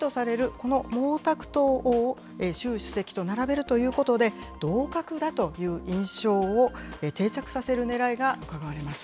この毛沢東を習主席と並べるということで、同格だという印象を定着させるねらいがうかがわれます。